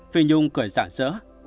phi nhung cười giản dỡ